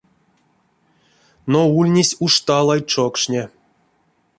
Но ульнесь уш талай чокшне.